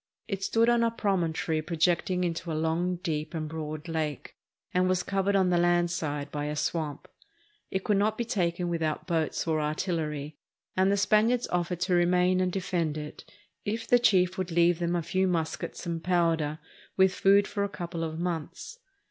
It stood on a promontory projecting into a long, deep, and broad lake, and was covered on the land side by a swamp. It could not be taken without boats or artillery, and the Spaniards offered to remain and defend it if the chief would leave them a few mus kets and powder, with food for a couple of months.